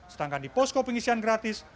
sedangkan di posko pengisian gratis